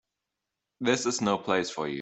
This is no place for you.